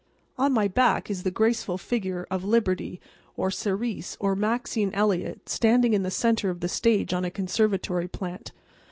On my back is the graceful figure of Liberty or Ceres or Maxine Elliot standing in the centre of the stage on a conservatory plant.